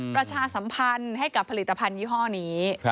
ประชาสัมพันธ์ให้กับผลิตภัณฑ์ยี่ห้อนี้